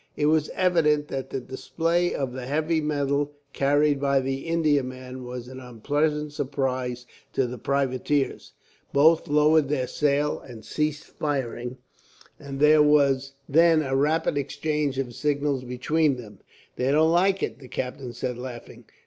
It was evident that the display of the heavy metal carried by the Indiaman was an unpleasant surprise to the privateers. Both lowered sail and ceased firing, and there was then a rapid exchange of signals between them. "They don't like it," the captain said, laughing.